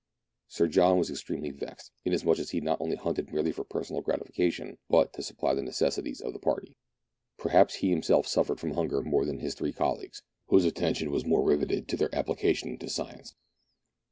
Sir John was extremely vexed, inasmuch as he was not hunting merely for personal gratification, but to supply the neces sities of the party. Perhaps he himself suffered from THREE ENGLISHMEN AND THREE RUSSIANS. 1 95 hunger more than his three colleagues, whose attention was more riveted by their application to science.